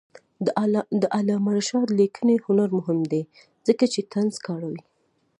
د علامه رشاد لیکنی هنر مهم دی ځکه چې طنز کاروي.